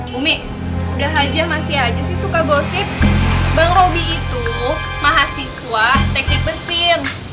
bumi udah aja masih aja sih suka gosip bang roby itu mahasiswa teknik mesin